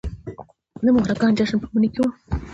د مهرګان جشن په مني کې و